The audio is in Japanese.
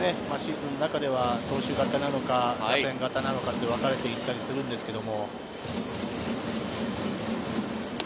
シーズンの中では投手型なのか打線型なのか分かったりするんですけれど。